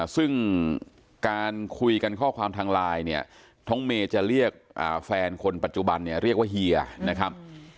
ซึ่งการคุยกันข้อความทางไลน์เนี่ยน้องเมย์จะเรียกแฟนคนปัจจุบันเนี่ยเรียกว่าเฮียนะครับ